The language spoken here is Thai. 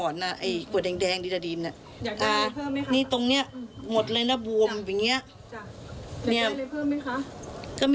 นี่ตรงเนี่ยหมดเลยล่ะ